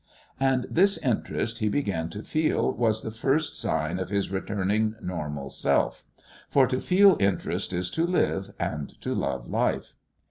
And this interest he began to feel was the first sign of his returning normal Self. For to feel interest is to live, and to love life.